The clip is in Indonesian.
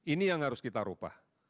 ini yang harus kita ubah